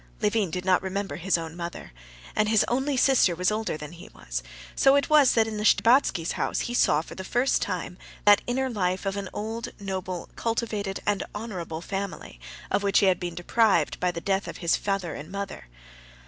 Levin did not remember his own mother, and his only sister was older than he was, so that it was in the Shtcherbatskys' house that he saw for the first time that inner life of an old, noble, cultivated, and honorable family of which he had been deprived by the death of his father and mother.